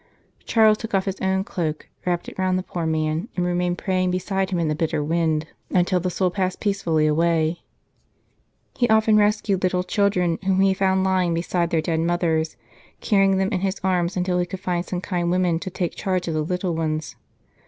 Charles took off his own cloak, wrapped it round the poor man, and remained praying beside him in the bitter wind, 152 " The Greater of These " until the soul passed peacefully away. He often rescued little children whom he found lying beside their dead mothers, carrying them in his arms until he could find some kind women to take charge of the little ones.